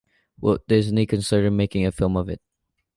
Walt Disney considered making a film of it.